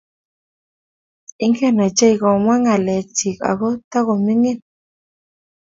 Ingen ochei komwaa ngalekchik ago tigo mining